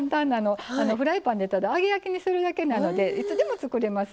フライパンでただ揚げ焼きにするだけなのでいつでも作れます。